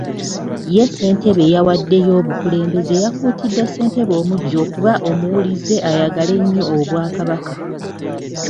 Ye Ssentebe eyawaddeyo obukulembeze yakuutidde Ssentebe omuggya okuba omuwulize ate ayagale nnyo Obwakabaka.